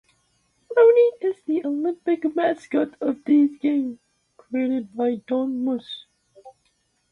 Roni is the Olympic mascot of these Games, created by Don Moss.